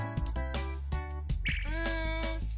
うん。